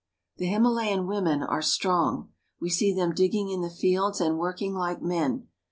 The Himalayan women are strong. We see them digging in the fields and working like men.